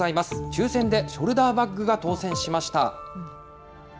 抽せんでショルダーバッグが当せんしました！